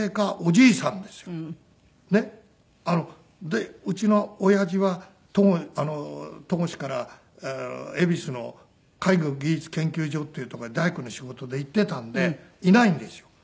でうちのおやじは戸越から恵比寿の海軍技術研究所っていう所に大工の仕事で行ってたんでいないんですよ。